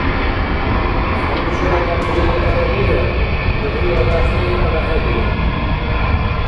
Ханжа дяхъи арабирар, мухӀлила дяхъи арахӀебирар.